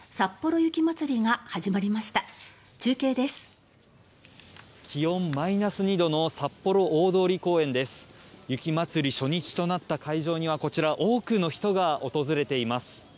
雪まつり初日となった会場にはこちら多くの人が訪れています。